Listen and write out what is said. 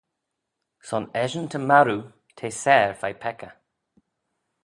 Son eshyn ta marroo, t'eh seyr veih peccah.